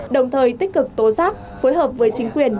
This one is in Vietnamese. đồng thời tích cực tố giác phối hợp với chính quyền